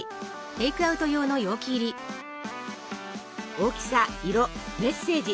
大きさ色メッセージ。